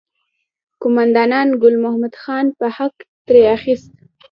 قوماندان ګل محمد خان به حق ترې اخیست.